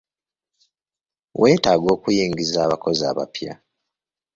Weetaaga okuyingiza abakozi abapya.